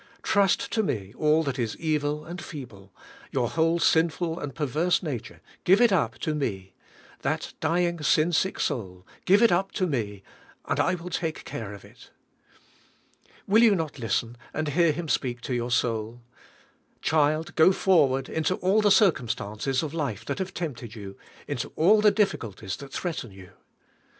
Trust to me all that is evil and feeble; 3^our whole sinful and perverse nature — give it up to Me ; that dying, sin sick soul — give it up to Me, and I will take care of it." Will you not listen and hear Him speak to your soul? "Child, go forward into all the circum stances of life that have tempted you; into all the difficulties that threaten you."